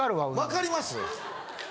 わかります？